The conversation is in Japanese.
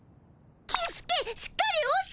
キスケしっかりおし！